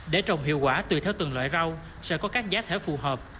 để trồng hiệu quả tùy theo từng loại rau sẽ có các giá thể phù hợp